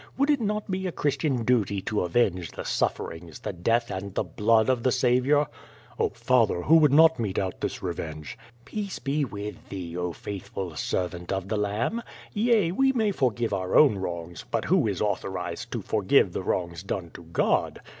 Would it not be a Christian duty to avenge the sufferings, the death and the blood of the Saviour?" "Oh, father, who would not mete out this revenge?" *Teace be with thee, oh, faithful servant of the Lamb. Yea, we may forgive our own ^\Tongs, but who is authorized to forgive the wrongs done to Ood?